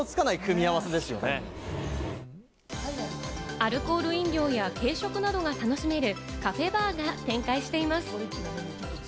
アルコール飲料や軽食などが楽しめるカフェバーが展開しています。